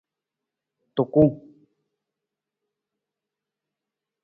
Tuku.